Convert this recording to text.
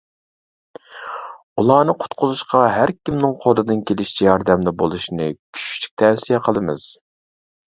ئۇلارنى قۇتقۇزۇشقا ھەركىمنىڭ قولىدىن كېلىشىچە ياردەمدە بولۇشىنى كۈچلۈك تەۋسىيە قىلىمىز!